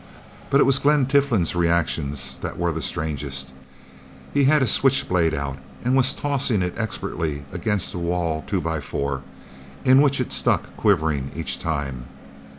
But it was Glen Tiflin's reactions that were the strangest. He had his switch blade out, and was tossing it expertly against a wall two by four, in which it stuck quivering each time.